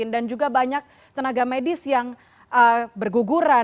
dan juga banyak tenaga medis yang berguguran